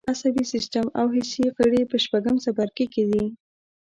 عصبي سیستم او حسي غړي په شپږم څپرکي کې دي.